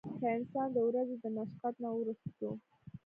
کۀ انسان د ورځې د مشقت نه وروستو